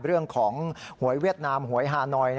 เรื่องของหวยเวียดนามหวยฮานอย